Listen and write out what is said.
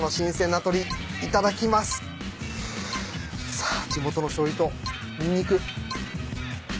さあ地元のしょうゆとニンニク。